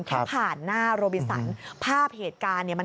แค่ผ่านหน้าโรบิสันภาพเหตุการณ์เนี่ย